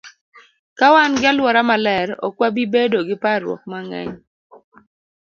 Ka wan gi alwora maler, ok wabi bedo gi parruok mang'eny.